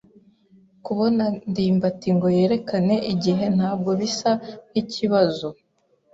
Kubona ndimbati ngo yerekane igihe ntabwo bisa nkikibazo.